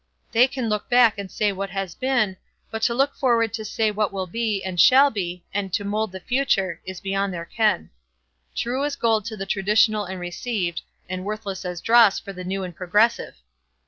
They can look back and say what has been, but to look forward to say what will be and shall be, and to mould the future, is beyond their ken. True as gold to the traditional and received, and worthless as dross for the new and progressive.